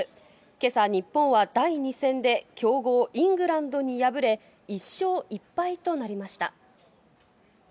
けさ日本は第２戦で強豪イングランドに敗れ、１勝１敗となりました。